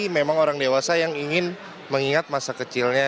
memang orang dewasa yang ingin mengingat masa kecilnya